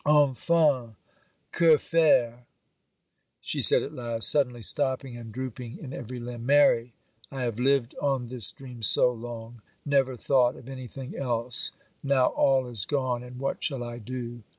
'Enfin—que faire?' she said at last, suddenly stopping, and drooping in every limb. 'Mary, I have lived on this dream so long—never thought of anything else—now all is gone, and what shall I do?